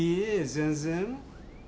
全然。